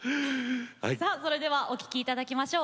さあそれではお聴き頂きましょう。